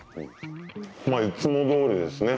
まあ、いつもどおりですね。